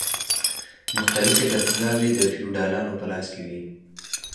مختلفې دستګاوې د فیوډالانو په لاس کې وې.